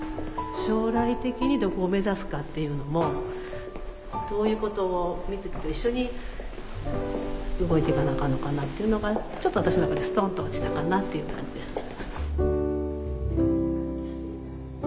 将来的にどこを目指すかっていうのもどういうことをみずきと一緒に動いて行かなあかんのかなっていうのがちょっと私の中でストンと落ちたかなっていう感じですね。